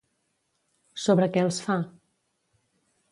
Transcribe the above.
Sobre què els fa?